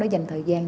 đã dành thời gian